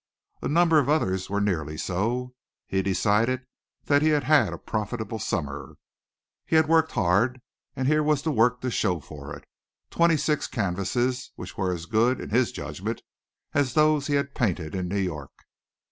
A number of others were nearly so. He decided that he had had a profitable summer. He had worked hard and here was the work to show for it twenty six canvases which were as good, in his judgment, as those he had painted in New York.